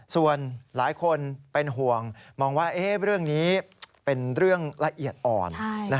ส่วนหลายคนเป็นห่วงมองว่าเรื่องนี้เป็นเรื่องละเอียดอ่อน